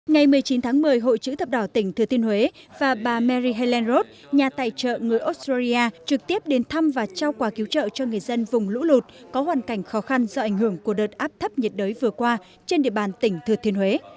ngày một mươi chín tháng một mươi hội chữ thập đỏ tỉnh thừa thiên huế và bà mary helenrov nhà tài trợ người australia trực tiếp đến thăm và trao quà cứu trợ cho người dân vùng lũ lụt có hoàn cảnh khó khăn do ảnh hưởng của đợt áp thấp nhiệt đới vừa qua trên địa bàn tỉnh thừa thiên huế